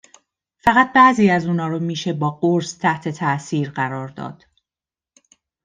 فقط بعضی از اونها را میشه با قرص تحت تاثیر قرار داد!